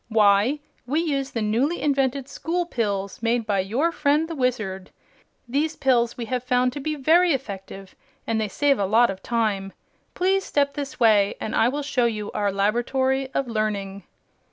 "Why, we use the newly invented School Pills, made by your friend the Wizard. These pills we have found to be very effective, and they save a lot of time. Please step this way and I will show you our Laboratory of Learning."